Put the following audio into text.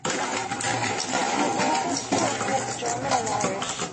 His ancestry includes German and Irish.